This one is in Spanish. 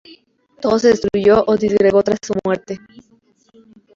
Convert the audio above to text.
Todo se destruyó o disgregó tras su muerte.